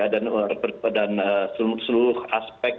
dan seluruh aspek